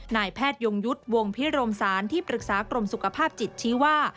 แพทยงยุทธ์วงพิรมศาลที่ปรึกษากรมสุขภาพจิตชี้ว่า